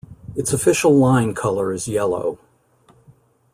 Its official line color is yellow.